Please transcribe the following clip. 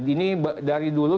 ini dari dulu